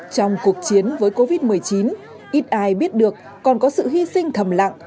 trong cuộc chiến với covid một mươi chín ít ai biết được còn có sự hy sinh thầm lặng